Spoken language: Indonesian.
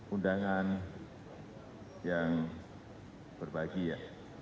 undangan yang berbahagia